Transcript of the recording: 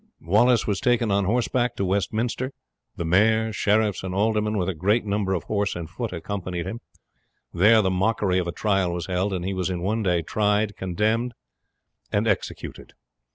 He was taken on horseback to Westminster, the mayor, sheriffs, and aldermen, with a great number of horse and foot, accompanying him. There the mockery of a trial was held, and he was in one day tried, condemned, and executed.